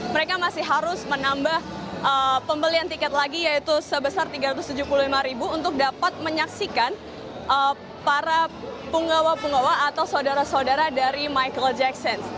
mereka masih harus menambah pembelian tiket lagi yaitu sebesar rp tiga ratus tujuh puluh lima untuk dapat menyaksikan para penggawa penggawa atau saudara saudara dari michael jackson